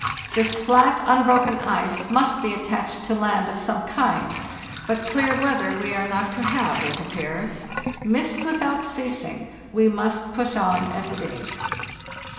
This flat, unbroken ice must be attached to land of some kind; but clear weather we are not to have, it appears. Mist without ceasing; we must push on as it 1s."